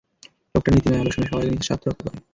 লোকটা নীতি নয়, আদর্শ নয়, সবার আগে নিজের স্বার্থ রক্ষা করে।